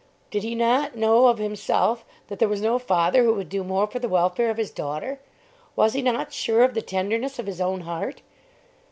Did he not know of himself that there was no father who would do more for the welfare of his daughter? Was he not sure of the tenderness of his own heart?